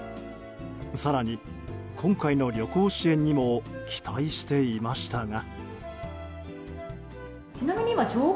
更に今回の旅行支援にも期待していましたが。